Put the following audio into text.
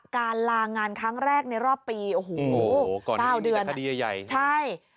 ก่อนนี้มีแต่คดียายใช่